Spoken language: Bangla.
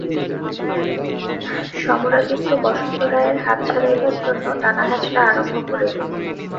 সমরাদিত্য বসন্ত রায়ের হাত ছাড়াইবার জন্য টানাহেঁচড়া আরম্ভ করিল।